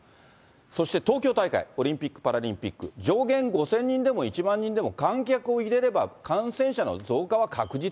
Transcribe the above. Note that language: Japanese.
そして東京大会、オリンピック・パラリンピック、上限５０００人でも１万人でも、観客を入れれば、感染者の増加は確実。